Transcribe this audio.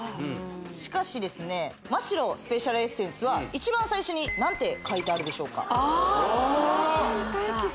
しかしですねマ・シロスペシャルエッセンスは一番最初に何て書いてあるでしょうかああプラセンタエキス？